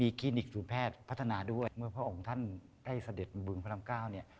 คลินิกสู่แพทย์พัฒนาด้วยเมื่อพระองค์ท่านได้เสด็จบึงพระรามเก้าเนี่ย